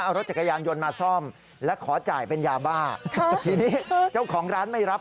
เอารถจักรยานยนต์มาซ่อมและขอจ่ายเป็นยาบ้าทีนี้เจ้าของร้านไม่รับ